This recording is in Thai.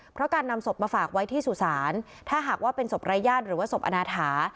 เพราะการนำศพมาฝากไว้ที่สุสานถ้าหากว่าเป็นศพรายญาติหรือว่าศพอนาถา